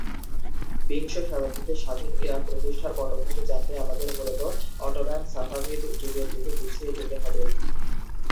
বিংশ শতাব্দীতে স্বাধীন ইরাক প্রতিষ্ঠার পটভূমি জানতে আমাদের মূলত অটোম্যান-সাফাভিড যুগের দিকে পিছিয়ে যেতে হবে।